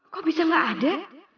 kok bisa gak ada